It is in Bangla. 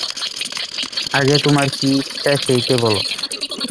আগে তোমার কী ইচ্ছা সেইটে বলো।